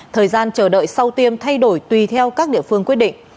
thời gian chờ đợi sau tiêm thay đổi tùy theo các địa phương quyết định